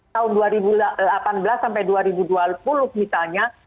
tahun dua ribu delapan belas sampai dua ribu dua puluh misalnya